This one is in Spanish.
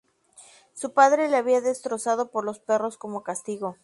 Su padre le había destrozado por los perros como castigo.